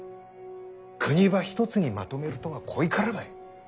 国ば一つにまとめるとはこいからばい。